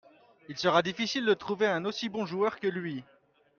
Il sera difficile de trouver un aussi bon joueur que lui.